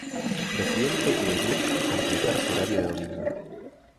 Presidente y de Duet completar su horario de domingo.